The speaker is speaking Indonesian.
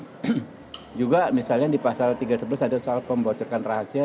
dan juga misalnya di pasal tiga ratus sebelas ada soal pembocorkan rahasia